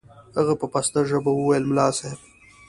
هغه په پسته ژبه وويل ملا صاحب.